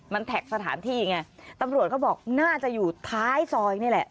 มันแท็กสถานที่ไงตำรวจก็บอกน่าจะอยู่ท้ายซอยนี่แหละ